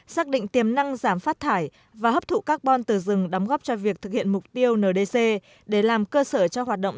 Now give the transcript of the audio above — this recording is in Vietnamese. xác định tiềm năng giảm phát thải và hấp thụ carbon từ rừng đóng góp cho việc thực hiện mục tiêu ndc để làm cơ sở cho hoạt động